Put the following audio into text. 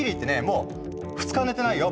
もう２日寝てないよ